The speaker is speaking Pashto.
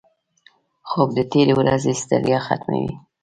خوب د تېرې ورځې ستړیا ختموي